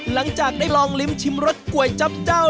หลังจากได้ลองลิ้มชิมรสก๋วยจับเจ้า